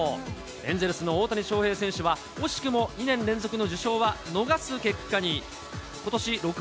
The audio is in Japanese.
エンゼルスの大谷翔平選手は、惜しくも２年連続の受賞は逃す結果に。